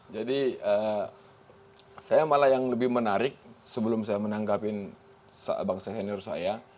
jadi saya malah yang lebih menarik sebelum saya menanggapin bang sehenir saya